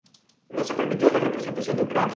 No se permitió la representación de Ucrania.